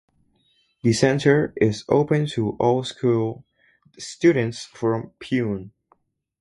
The center is open to all school students from Pune.